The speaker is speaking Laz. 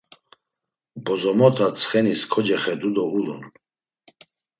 Bozomota ntsxenis kocexedu do ulun.